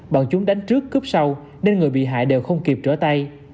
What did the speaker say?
bọn chúng đánh trước cướp sau nên người bị hại đều không kịp trở tay